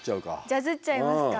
ジャズっちゃいますか。